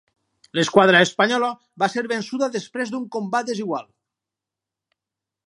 L'esquadra espanyola va ser vençuda després d'un combat desigual.